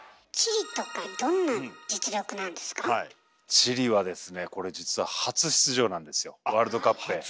チリはですねこれ実は初出場なんですよワールドカップへ。